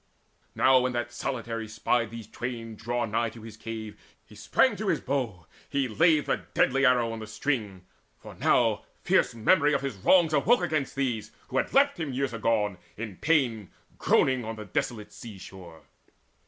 Now when that solitary spied these twain Draw nigh his cave, he sprang to his bow, he laid The deadly arrow on the string; for now Fierce memory of his wrongs awoke against These, who had left him years agone, in pain Groaning upon the desolate sea shore.